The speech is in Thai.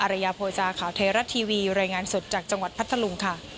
ระยะโภจาข่าวไทยรัฐทีวีรายงานสดจากจังหวัดพัทธลุงค่ะ